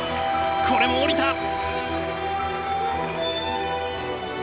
これも降りた！